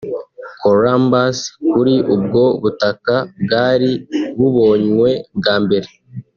Columbus kuri ubwo butaka bwari bubonywe bwa mbere